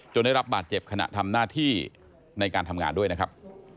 ได้รับบาดเจ็บขณะทำหน้าที่ในการทำงานด้วยนะครับ